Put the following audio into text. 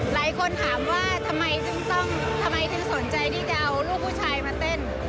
หลายคนถามว่าทำไมต้องทำไมถึงสนใจที่จะเอาลูกผู้ชายมาเต้น